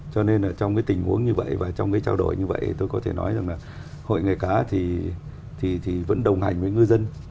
cho nên là trong cái tình huống như vậy và trong cái trao đổi như vậy tôi có thể nói rằng là hội nghề cá thì vẫn đồng hành với ngư dân